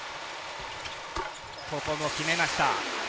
ここも決めました。